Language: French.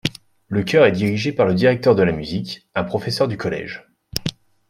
Le Chœur est dirigé par le Directeur de la Musique, un professeur du Collège.